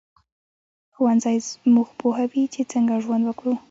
ښوونځی موږ پوهوي چې څنګه ژوند وکړو